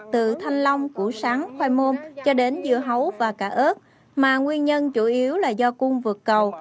từ thanh long củ sắn khoai môn cho đến dưa hấu và cả ớt mà nguyên nhân chủ yếu là do cung vượt cầu